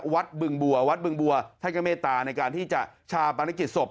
บึงบัววัดบึงบัวท่านก็เมตตาในการที่จะชาปนกิจศพ